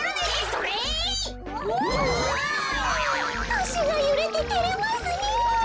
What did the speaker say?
あしがゆれててれますねえ。